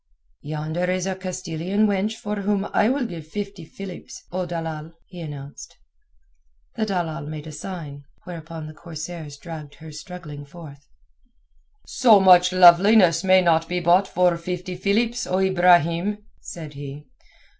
"Yonder is a Castilian wench for whom I will give fifty Philips, O dalal," he announced. The datal made a sign, whereupon the corsairs dragged her struggling forth. "So much loveliness may not be bought for fifty Philips, O Ibrahim," said he.